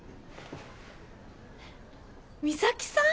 美咲さん？